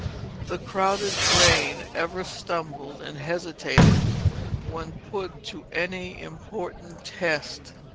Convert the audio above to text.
The crowded brain ever stumbled and hesitated when put to any important test.